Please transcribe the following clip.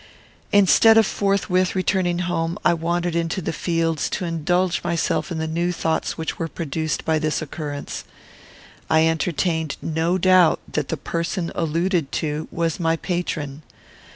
Instead of forthwith returning home, I wandered into the fields, to indulge myself in the new thoughts which were produced by this occurrence. I entertained no doubt that the person alluded to was my patron.